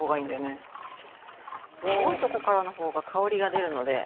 青いとこからの方が香りが出るので。